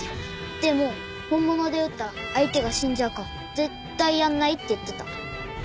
でも本物で撃ったら相手が死んじゃうから絶対やんないって言ってた。